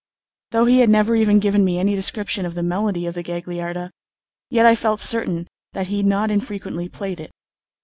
Though he had never even given me any description of the melody of the Gagliarda, yet I felt certain that he not infrequently played it.